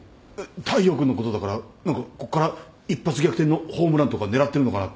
大陽君のことだから何かこっから一発逆転のホームランとか狙ってるのかなって。